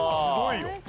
すごいよ。